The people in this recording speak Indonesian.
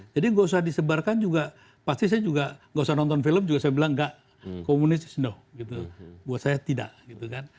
jadi nggak usah disebarkan juga pasti saya juga nggak usah nonton film juga saya bilang nggak komunis no buat saya tidak gitu kan